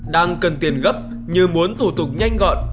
đang cần tiền gấp như muốn thủ tục nhanh gọn